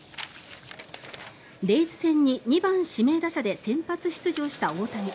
レイズ戦に２番指名打者で先発出場した大谷。